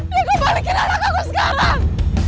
di balikin anak aku sekarang